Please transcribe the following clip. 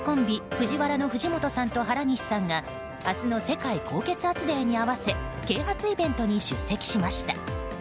ＦＵＪＩＷＡＲＡの藤本さんと原西さんが明日の世界高血圧デーに合わせ啓発イベントに出席しました。